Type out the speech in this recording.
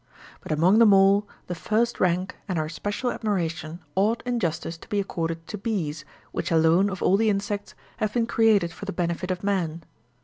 But among them all, the first rank, and our especial admi ration, ought, in justice, to be accorded to bees, which alone, of all the insects, have been created for the benefit of man.